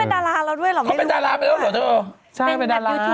ตอนนี้เขาเป็นดาราเราด้วยเหรอเขาเป็นดาราไปแล้วเหรอเธอ